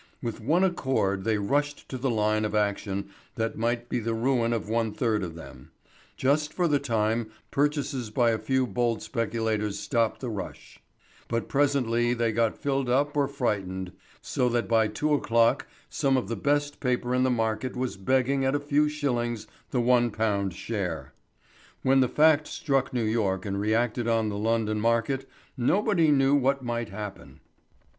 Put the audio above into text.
With one accord they rushed to the line of action that might be the ruin of one third of them. Just for the time purchases by a few bold speculators stopped the rush; but presently they got filled up or frightened, so that by two o'clock some of the best paper in the market was begging at a few shillings the £1 share. When the fact struck New York and reacted on the London market, nobody knew what might happen.